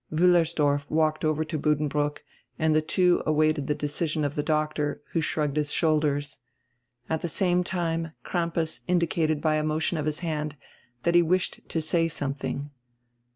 Wiillersdorf walked over to Bud denbrook and die two awaited die decision of die doctor, who shrugged his shoulders. At die same time Crampas indicated by a motion of his hand that he wished to say something.